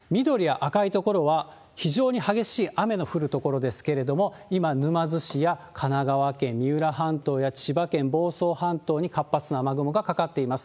現在のレーダーを見てみますと、静岡、神奈川、千葉、緑や赤い所は、非常に激しい雨の降る所ですけれども、今、沼津市や神奈川県、三浦半島や千葉県房総半島に活発な雨雲がかかっています。